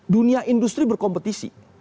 dunia industri berkompetisi